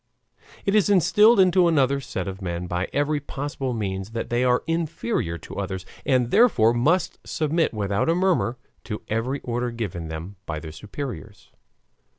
It is instilled into another set of men by every possible means that they are inferior to others, and therefore must submit without a murmur to every order given them by their superiors.